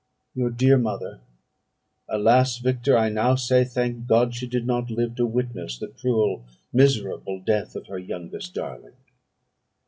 Your dear mother! Alas, Victor! I now say, Thank God she did not live to witness the cruel, miserable death of her youngest darling!